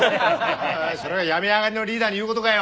それが病み上がりのリーダーに言うことかよ。